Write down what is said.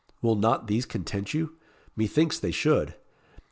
Will not these content you? Methinks they should.